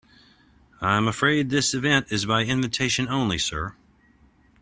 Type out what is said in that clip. I'm afraid this event is by invitation only, sir.